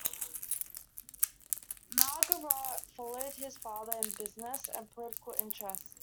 Margarot followed his father in business and political interest.